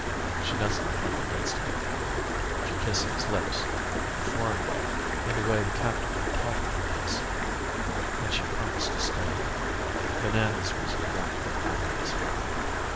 She nestled up against him. She kissed his lips, in the foreign way, in the way the captain had taught her to kiss. And she promised to stay. Bananas was drunk with happiness.